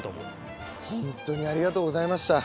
ほんとにありがとうございました。